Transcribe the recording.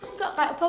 nggak kayak bapelo